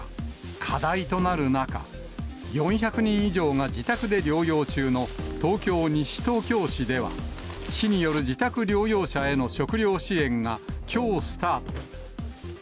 課題となる中、４００人以上が自宅で療養中の東京・西東京市では、市による自宅療養者への食料支援が、きょうスタート。